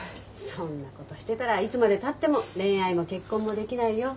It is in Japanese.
そんなことしてたらいつまでたっても恋愛も結婚もできないよ。